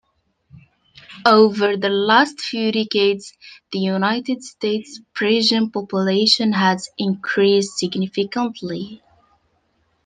Over the last few decades, the United States prison population has increased significantly.